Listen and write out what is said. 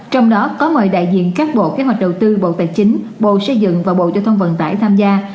trong đó có mời đại diện các bộ kế hoạch đầu tư bộ tài chính bộ xây dựng và bộ giao thông vận tải tham gia